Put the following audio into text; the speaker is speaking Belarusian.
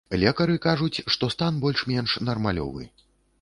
Лекары кажуць, што стан больш-менш нармалёвы.